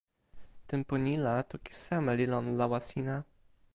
tenpo ni la toki seme li lon lawa sina?